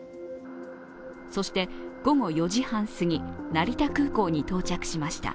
そして午後４時半すぎ、成田空港に到着しました。